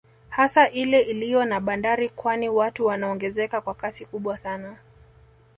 Hasa ile iliyo na Bandari kwani watu wanaongezeka kwa kasi kubwa sana